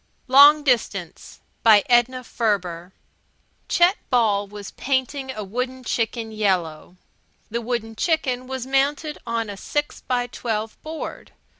LONG DISTANCE Chet Ball was painting a wooden chicken yellow. The wooden chicken was mounted on a six by twelve board.